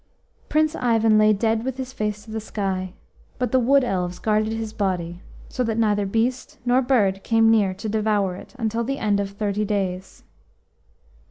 Prince Ivan lay dead with his face to the sky, but the wood elves guarded his body, so that neither beast nor bird came near to devour it until the end of thirty days.